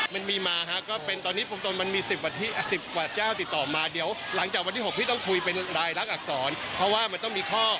ทุกคนที่อยู่ในประเทศไทยถ้ามีรายได้ก็ต้องเสียภาษี